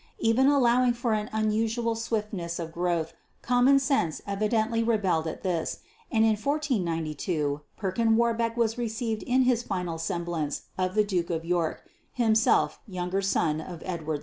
Even allowing for an unusual swiftness of growth common sense evidently rebelled at this, and in 1492 Perkin Warbeck was received in his final semblance of the Duke of York, himself younger son of Edward IV.